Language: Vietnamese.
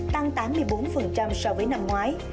tăng tám mươi bốn so với năm ngoái